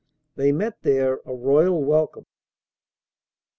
They met there a royal welcome.